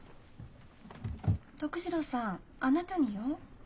徳次郎さんあなたによ。